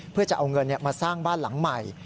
เพื่อจะเอาเงินมาสร้างบ้านหลังใหม่